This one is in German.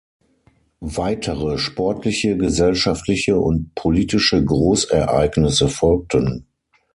Weitere sportliche, gesellschaftliche und politische Großereignisse folgten.